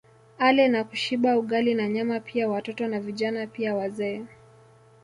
Ale na kushiba Ugali na Nyama pia watoto na Vijana pia wazee